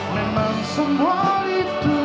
memang semua itu